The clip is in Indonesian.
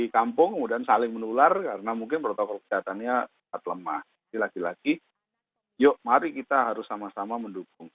jadi lagi lagi yuk mari kita harus sama sama mendukung